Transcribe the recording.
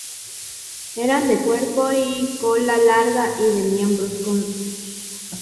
Eran de cuerpo y cola larga y de miembros cortos.